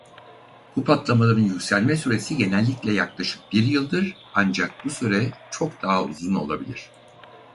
Bu patlamaların yükselme süresi genellikle yaklaşık bir yıldır ancak bu süre çok daha uzun olabilir.